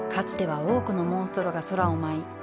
つては多くのモンストロが空を舞い